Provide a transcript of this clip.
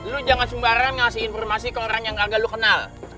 lo jangan sembarangan ngasih informasi ke orang yang gak lo kenal